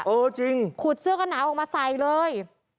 เออจริงขุดเสื้อกันหนาวออกมาใส่เลย